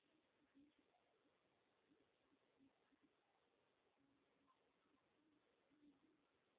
نن سهار اوله خور را نوې شوه.